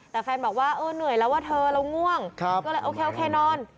แต่แฟนบอกว่าเออเหนื่อยแล้วว่าเธอเราง่วงก็เลยโอเคนอน